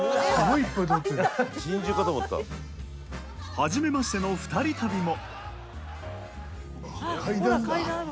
はじめましての２人旅も！